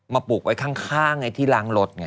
ปลูกไว้ข้างไอ้ที่ล้างรถไง